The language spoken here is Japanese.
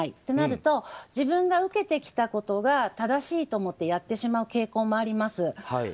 ですので自分が受けてきたことが正しいと思ってやってしまう傾向もあります。